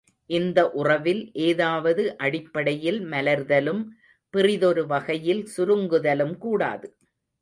இந்த உறவில் ஏதாவது அடிப்படையில் மலர்தலும், பிறிதொரு வகையில் சுருங்குதலும் கூடாது.